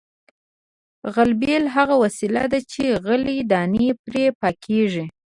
غلبېل هغه وسیله ده چې غلې دانې پرې پاکیږي